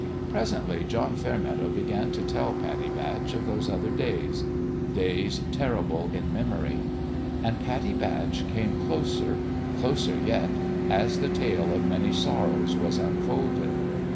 Presently John Fairmeadow began to tell Pattie Batch of those other days days terrible in memory. And Pattie Batch came closer closer yet as the tale of many sorrows 354 LOVE AND LABOUR was unfolded.